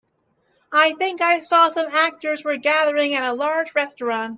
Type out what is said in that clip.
I think I saw some actors were gathering at a large restaurant.